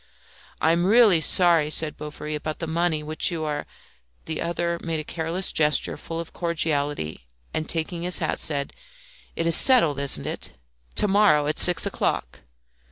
"I am really sorry," said Bovary, "about the money which you are " The other made a careless gesture full of cordiality, and taking his hat said "It is settled, isn't it? To morrow at six o'clock?"